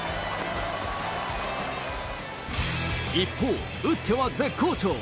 一方、打っては絶好調。